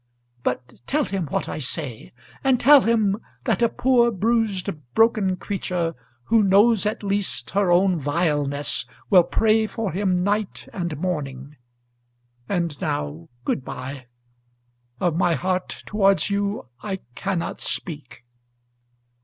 "But tell him what I say; and tell him that a poor bruised, broken creature, who knows at least her own vileness, will pray for him night and morning. And now good bye. Of my heart towards you I cannot speak."